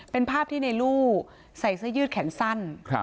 เป็นภาพที่ในลู่ใส่เสื้อยืดแขนสั้น